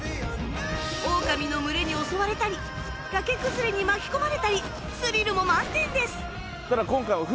オオカミの群れに襲われたり崖崩れに巻き込まれたりスリルも満点です